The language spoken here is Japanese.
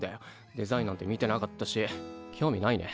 デザインなんて見てなかったし興味ないね。